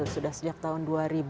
sudah sejak tahun dua ribu